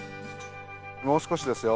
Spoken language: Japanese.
もう少しですよ。